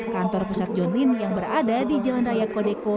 kantor pusat john lynn yang berada di jelandaya kodeko